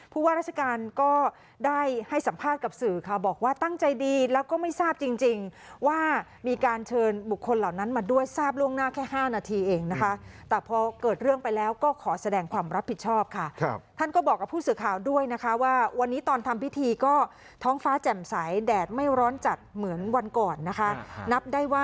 พระยาสุรินทร์พรรคดีศรีนรงจางวาง